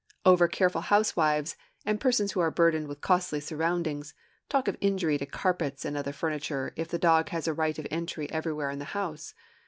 Over careful housewives, and persons who are burdened with costly surroundings, talk of injury to carpets and other furniture if the dog has a right of entry everywhere in the house.